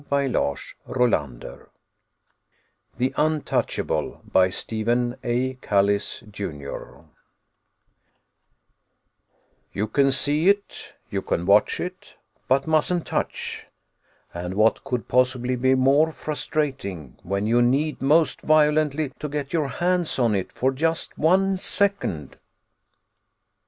|||++ THE UNTOUCHABLE By STEPHEN A. KALLIS, JR. Illustrated by Douglas _"You can see it you can watch it but mustn't touch!" And what could possibly be more frustrating ... when you need, most violently, to get your hands on it for just one second....